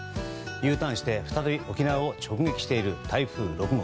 Ｕターンして、再び沖縄を直撃している台風６号。